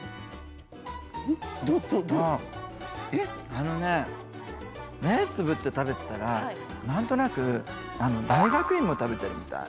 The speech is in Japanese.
あのねえ目つぶって食べてたら何となく大学芋食べてるみたい。